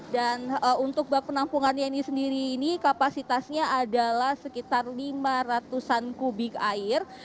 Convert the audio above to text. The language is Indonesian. dan untuk bak penampungannya ini sendiri ini kapasitasnya adalah sekitar lima ratus an kubik air